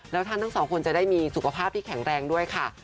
แล้วท่านทั้งสองคนจะได้มีสุขภาพที่แข็งแรงด้วยค่ะ